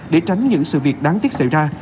để tránh những sự việc đáng tiếc xảy ra